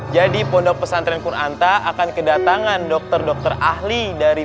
jadi pondok pesantren qur'an tak akan kedatangan dokter dokter ahli dari